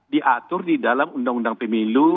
diatur di dalam undang undang pemilu